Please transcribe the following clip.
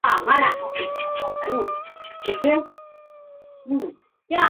纵纹锦鱼为隆头鱼科锦鱼属的鱼类。